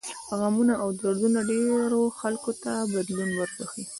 غمونه او دردونه ډېرو خلکو ته بدلون وربښي.